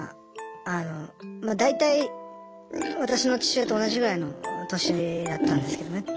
まあ大体私の父親と同じぐらいの年だったんですけどね。